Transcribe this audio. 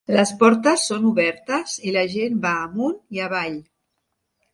Les portes són obertes i la gent va amunt i avall.